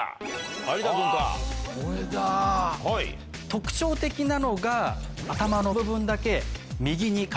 特徴的なのが頭の部分だけ。